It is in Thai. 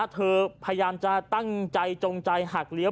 พยายามจะตั้งใจจงใจหักเลี้ย